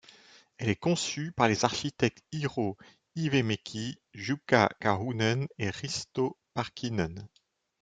Elle est conçue par les architectes Eero Hyvämäki, Jukka Karhunen et Risto Parkkinen.